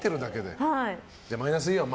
じゃあマイナスイオン